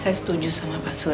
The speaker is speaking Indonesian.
saya setuju sama pak sula